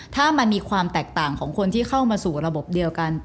ถ้ามันมีความแตกต่างของคนที่เข้ามาสู่ระบบเดียวกัน